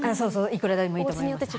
いくらでもいいと思います。